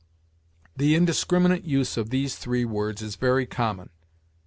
The indiscriminate use of these three words is very common.